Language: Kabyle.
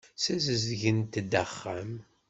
Ssazedgent-d axxam.